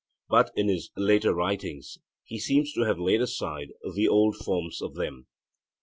But in his later writings he seems to have laid aside the old forms of them.